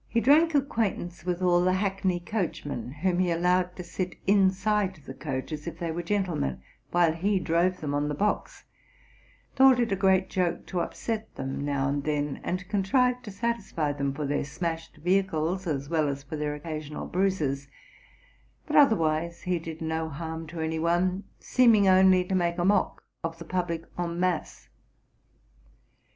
He drank acquaintance with all the hackney coachmen, whom he al lowed to sit inside the coach as if they were gentlemen, while he drove them on the box; thought it a great joke to upset them now and then, and contrived to satisfy thei for their smashed vehicles as well as for their occasional bruises ; but otherwise he did no harm to any one, seeming only to make a mock of the public en masse.